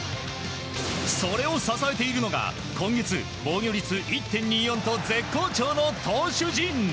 それを支えているのが今月、防御率１．２４と絶好調の投手陣。